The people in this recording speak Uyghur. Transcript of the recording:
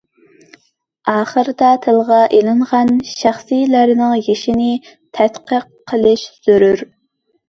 ئاخىرىدا تىلغا ئېلىنغان شەخسلەرنىڭ يېشىنى تەتقىق قىلىش زۆرۈر .